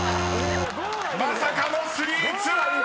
［まさかの「スリーツう」！］